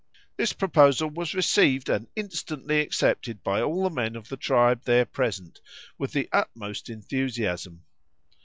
This proposal was received and instantly accepted by all the men of the tribe there present with the utmost enthusiasm.